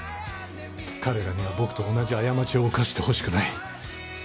彼らには僕と同じ過ちを犯してほしくない。